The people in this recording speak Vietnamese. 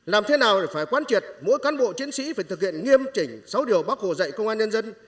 làm thế nào để phải quan triệt mỗi cán bộ chiến sĩ phải thực hiện nghiêm chỉnh sáu điều bác hồ dạy công an nhân dân